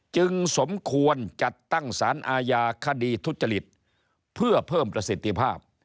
สมควรจัดตั้งสารอาญาคดีทุจริตเพื่อเพิ่มประสิทธิภาพ